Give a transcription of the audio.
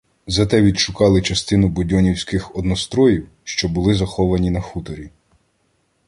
Зате відшукали частину будьонівських одностроїв, що були заховані на хуторі.